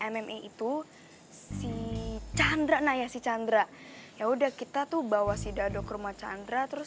mma itu si chandra naya si chandra ya udah kita tuh bawa si dado ke rumah chandra terus